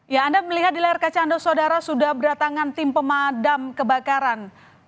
ya anda melihat di layar kaca anda saudara sudah berdatangan tim pemadam kebakaran